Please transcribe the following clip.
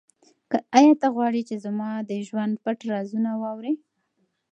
آیا ته غواړې چې زما د ژوند پټ رازونه واورې؟